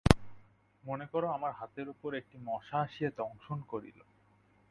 মনে কর, আমার হাতের উপর একটি মশা আসিয়া দংশন করিল।